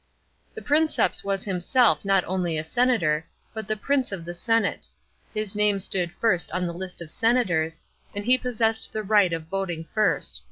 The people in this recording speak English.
f The Priuceps was himself not only a senator, but the " Prince of the senate;" his name stood first on the list of senators, and he possessed the right of voting first.